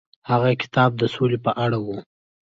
هغه کتاب د سولې په اړه و.